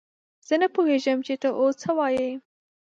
زه نه پوهېږم چې ته اوس څه وايې!